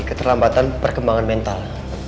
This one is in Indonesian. keterlambatan perkembangan mental